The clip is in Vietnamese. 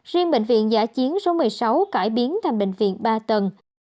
riêng bệnh viện giả chiến số một mươi sáu cải biến thành bệnh viện ba tầng